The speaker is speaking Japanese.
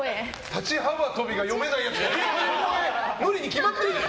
立ち幅跳びが読めないやつがいる。